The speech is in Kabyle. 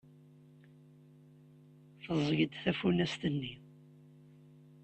Teẓẓeg-d tafunast-nni.